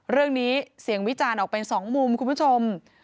เรื่องนี้เสียงวิจารณ์ออกเป็น๒มุมคุณผู้ชม